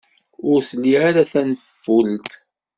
Ur tli ara tanfult.